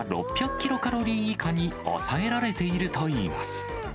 キロカロリー以下に抑えられているといいます。